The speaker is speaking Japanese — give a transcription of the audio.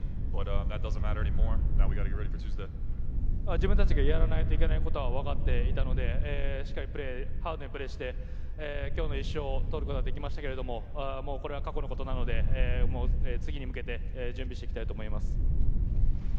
自分たちがやらないといけないことは分かっていたので、しっかりハードにプレーして、今日の１勝を取ることができましたけれども、これは過去のことなので、次に向けて準備していきたいと思います。